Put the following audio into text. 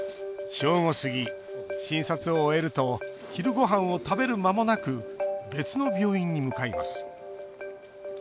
正午過ぎ、診察を終えると昼ごはんを食べる間もなく別の病院に向かいます。